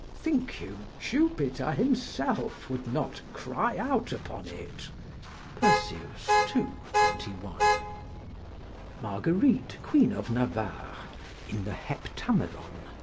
Think you Jupiter himself would not cry out upon it?" Persius, ii. 21.] Marguerite, Queen of Navarre, [In the Heptameron.